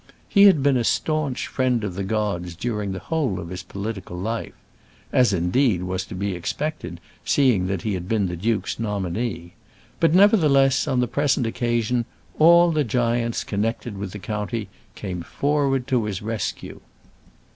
He had been a staunch friend of the gods during the whole of his political life, as, indeed, was to be expected, seeing that he had been the duke's nominee; but, nevertheless, on the present occasion, all the giants connected with the county came forward to his rescue.